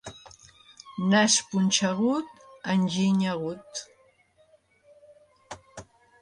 Nas punxegut, enginy agut.